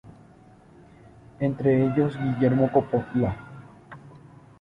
Entre ellos Guillermo Coppola.